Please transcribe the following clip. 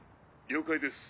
了解です。